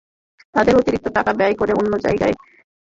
তাঁদের অতিরিক্ত টাকা ব্যয় করে অন্য জায়গায় এসব কাজ করতে হচ্ছে।